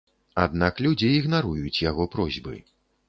Аднак людзі ігнаруюць яго просьбы.